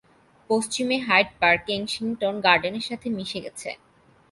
পশ্চিমে Hyde Park Kensington গার্ডেনের সাথে মিশে গেছে।